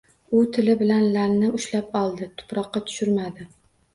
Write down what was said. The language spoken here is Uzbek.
U tili bilan la`lni ushlab qoldi, tuproqqa tushirmadi